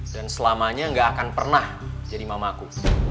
dan selamanya gak akan pernah jadi mama aku